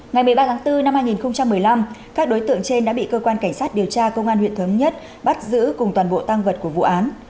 ngày một mươi ba tháng bốn năm hai nghìn một mươi năm các đối tượng trên đã bị cơ quan cảnh sát điều tra công an huyện thống nhất bắt giữ cùng toàn bộ tăng vật của vụ án